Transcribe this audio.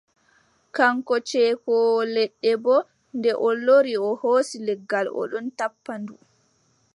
Kaŋko ceekoowo leɗɗe boo, nde o lori, o hoosi leggal o ɗon tappa ndu.